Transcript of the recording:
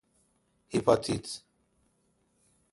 هیپاتیت